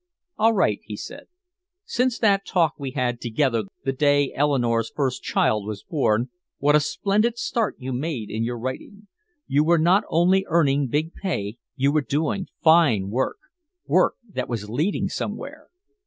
"All right," he said. "Since that talk we had together the day Eleanore's first child was born, what a splendid start you made in your writing. You were not only earning big pay, you were doing fine work, work that was leading somewhere.